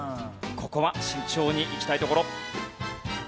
ここは慎重にいきたいところ。